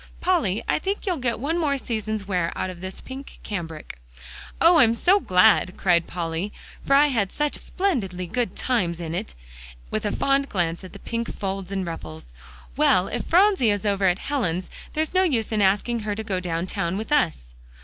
"Polly, I think you'll get one more season's wear out of this pink cambric." "Oh! I am so glad," cried Polly, "for I had such splendidly good times in it," with a fond glance at the pink folds and ruffles. "Well, if Phronsie is over at Helen's, there's no use in asking her to go down town with us."